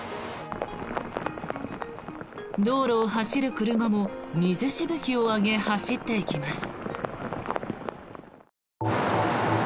道路を走る車も水しぶきを上げ走っていきます。